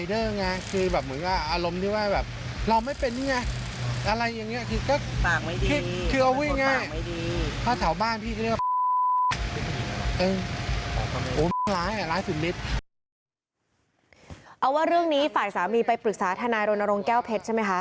เอาว่าเรื่องนี้ฝ่ายสามีไปปรึกษาทนายรณรงค์แก้วเพชรใช่ไหมคะ